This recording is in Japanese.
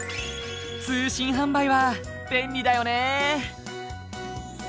通信販売は便利だよね。